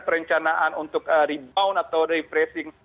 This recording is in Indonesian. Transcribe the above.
perencanaan untuk rebound atau repressing